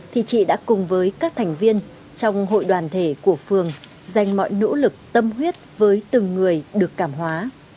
thì chị đã cùng với các thành viên trong hội đoàn thể của phường dành mọi nỗ lực tâm huyết với từng người được cảm hóa